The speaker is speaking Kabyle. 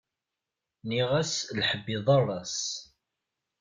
Nniɣ-as lḥeb yeḍar-as.